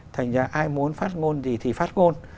thành ra ai muốn phát ngôn gì thì phát ngôn